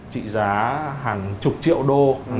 trị giá hàng chục triệu đô